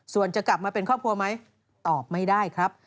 ส่วนจะกลับมาเป็นครอบครัวไหมตอบไม่ได้ครับ